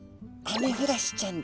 アメフラシちゃん？